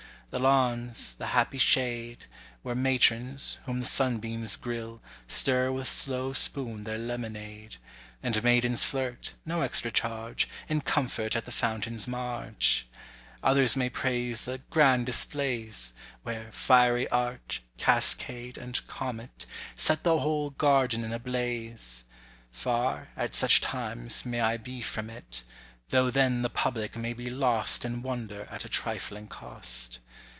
The lawns, the happy shade, Where matrons, whom the sunbeams grill, Stir with slow spoon their lemonade; And maidens flirt (no extra charge) In comfort at the fountain's marge! Others may praise the "grand displays" Where "fiery arch," "cascade," and "comet," Set the whole garden in a "blaze"! Far, at such times, may I be from it; Though then the public may be "lost In wonder" at a trifling cost.